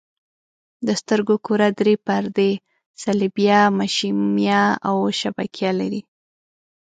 د سترګو کره درې پردې صلبیه، مشیمیه او شبکیه لري.